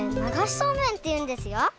そうめんっていうんですよ！